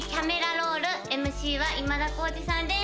ロール」ＭＣは今田耕司さんです